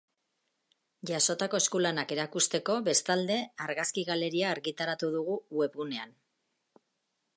Jasotako eskulanak erakusteko, bestalde, argazki-galeria argitaratu dugu webgunean.